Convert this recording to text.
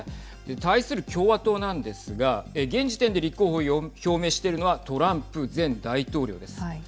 対する共和党なんですが現時点で立候補を表明しているのはトランプ前大統領です。